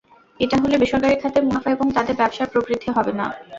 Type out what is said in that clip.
এটা হলে বেসরকারি খাতের মুনাফা এবং তাদের ব্যবসার প্রবৃদ্ধি হবে না।